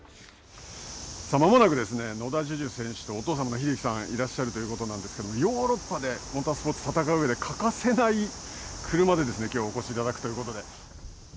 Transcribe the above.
まもなく野田樹潤選手とお父様の英樹さんがいらっしゃるということで、ヨーロッパで戦うために欠かせない車できょうはお越しいただくということで。